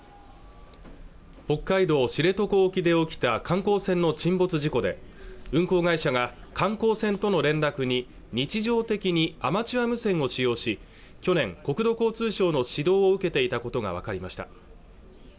北海道知床沖で起きた観光船の沈没事故で運航会社が観光船との連絡に日常的にアマチュア無線を使用し去年国土交通省の指導を受けていたことが分かりました